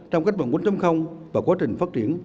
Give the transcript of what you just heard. trong cách vận quân chấm không và quá trình phát triển